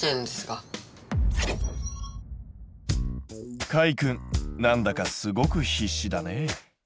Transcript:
かいくん何だかすごく必死だね。